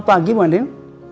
selamat pagi bu andien